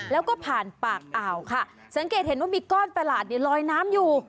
แล้วก็ผ่านปากอ่าวค่ะสังเกตเห็นว่ามีก้อนประหลาดเนี่ยลอยน้ำอยู่